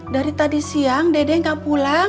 dari tadi siang dede gak pulang